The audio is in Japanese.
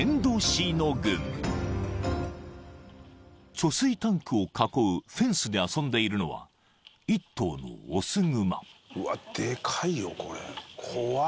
［貯水タンクを囲うフェンスで遊んでいるのは一頭の雄熊］